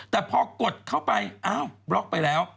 แต่พอกดเข้าไปอ้าวบล็อกไปแล้ว